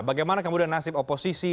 bagaimana kemudian nasib oposisi